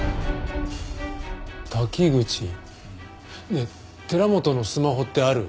ねえ寺本のスマホってある？